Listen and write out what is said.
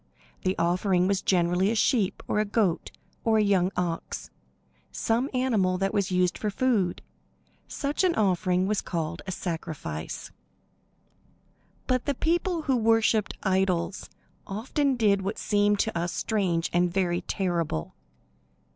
The offering was generally a sheep, or a goat, or a young ox some animal that was used for food. Such an offering was called "a sacrifice." But the people who worshipped idols often did what seems to us strange and very terrible.